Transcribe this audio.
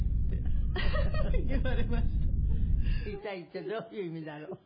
「痛い」ってどういう意味だろう？